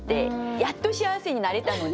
やっと幸せになれたので。